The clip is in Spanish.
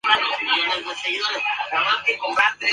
Continuó la temporada jugando el Masters de Hamburgo.